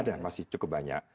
ada masih cukup banyak